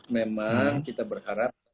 memang kita berharap